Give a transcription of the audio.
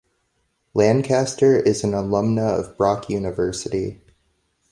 Lancaster is an alumna of Brock University.